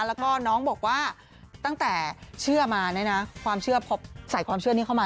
แล้วก็น้องบอกว่าตั้งแต่เชื่อมาเนี่ยนะความเชื่อใส่ความเชื่อนี้เข้ามา